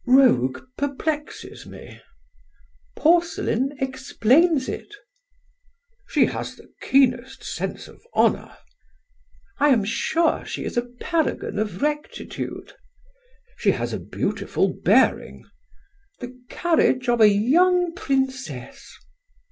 "Rogue perplexes me." "Porcelain explains it." "She has the keenest sense of honour." "I am sure she is a paragon of rectitude." "She has a beautiful bearing." "The carriage of a young princess!"